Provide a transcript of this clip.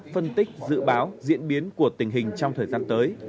phân tích dự báo diễn biến của tình hình trong thời gian tới